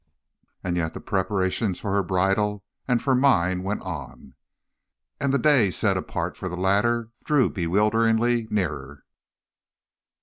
And yet the preparations for her bridal and for mine went on, and the day set apart for the latter drew bewilderingly near.